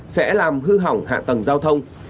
sẽ làm hư hỏng hạ tầng giao thông